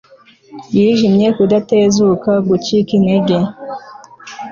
Yijimye Kudatezuka gucika intege